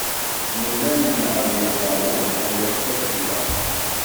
Nella nleɛɛeb lbalu, lehwa tekkat fell-aɣ.